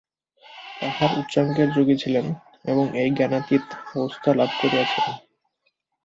তাঁহারা উচ্চাঙ্গের যোগী ছিলেন এবং এই জ্ঞানাতীত অবস্থা লাভ করিয়াছিলেন।